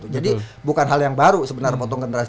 jadi bukan hal yang baru sebenarnya potong generasi